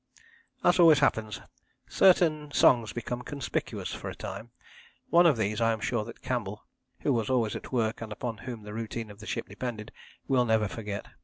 As always happens, certain songs became conspicuous for a time. One of these I am sure that Campbell, who was always at work and upon whom the routine of the ship depended, will never forget.